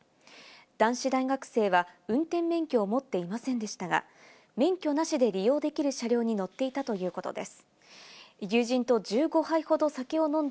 男子大学生は運転免許を持っていませんでしたが、免許なしで利用できる車両に乗っていたということです。